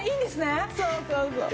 そうそうそう。